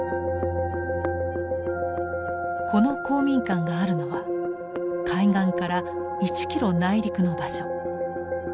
この公民館があるのは海岸から１キロ内陸の場所。